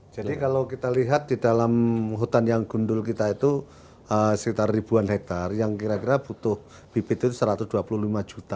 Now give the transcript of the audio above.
jadi kalau kita lihat di dalam hutan yang gundul kita itu sekitar ribuan hektar yang kira kira butuh bibit itu satu ratus dua puluh lima juta